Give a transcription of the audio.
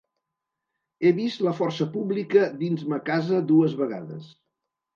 He vist la força pública dins ma casa dues vegades.